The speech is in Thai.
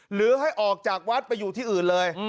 หรือให้ออกจากวัดไปอยู่ที่อื่นเลย